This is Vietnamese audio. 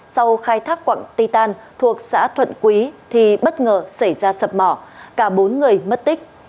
sau khai thác quạng ti tàn thuộc xã thuận quý thì bất ngờ xảy ra sập mỏ cả bốn người mất tích